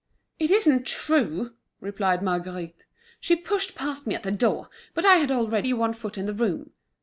"It isn't true," replied Marguerite. "She pushed past me at the door, but I had already one foot in the room."